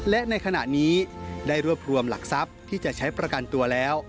และในขณะนี้ได้รวบรวมหลักทรัพย์ที่จะใช้ประกันตัวแล้ว